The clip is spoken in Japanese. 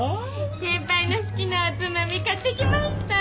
先輩の好きなおつまみ買ってきましたー。